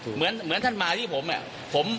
เหมือนท่านมาที่ผมอะ